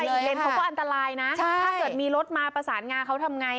แต่เขาไปอีกเลนส์เขาก็อันตรายนะถ้าเกิดมีรถมาประสานงานเขาทำยังไง